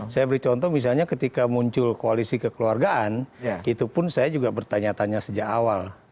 saya beri contoh misalnya ketika muncul koalisi kekeluargaan itu pun saya juga bertanya tanya sejak awal